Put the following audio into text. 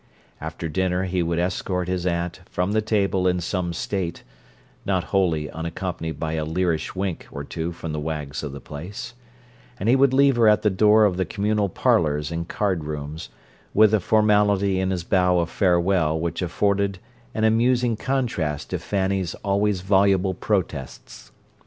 After dinner he would escort his aunt from the table in some state (not wholly unaccompanied by a leerish wink or two from the wags of the place) and he would leave her at the door of the communal parlours and card rooms, with a formality in his bow of farewell which afforded an amusing contrast to Fanny's always voluble protests.